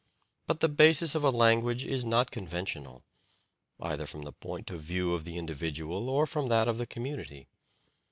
But the basis of a language is not conventional, either from the point of view of the individual or from that of the community.